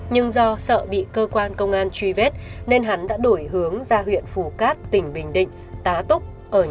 nhưng do sợ bị cơ quan công an truy vết nên hắn đã đổi hướng ra huyện phủ cát tỉnh bình định tá túc ở nhà